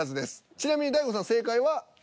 ちなみに大悟さん正解は？